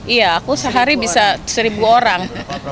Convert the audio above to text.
iya aku sehari bisa seribu orang